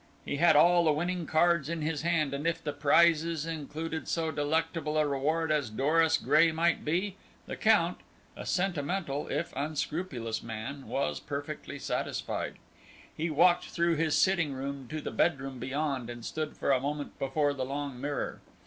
He had all the winning cards in his hand, and if the prizes included so delectable a reward as Doris Gray might be, the Count, a sentimental if unscrupulous man, was perfectly satisfied. He walked through his sitting room to the bedroom beyond and stood for a moment before the long mirror.